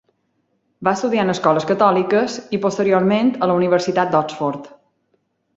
Va estudiar en escoles catòliques i posteriorment a la Universitat d'Oxford.